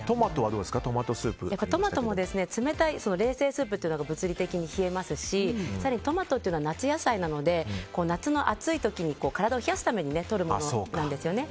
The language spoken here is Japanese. トマトも冷製スープというので物理的に冷えますし更にトマトというのは夏野菜なので夏の暑い時に体を冷やすためにとるものなんですよね。